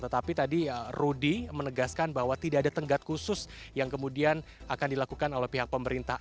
tetapi tadi rudy menegaskan bahwa tidak ada tenggat khusus yang kemudian akan dilakukan oleh pihak pemerintah